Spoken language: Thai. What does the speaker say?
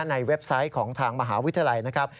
เว็บไซต์ของทางมหาวิทยาลัยนะครับ